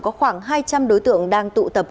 có khoảng hai trăm linh đối tượng đang tụ tập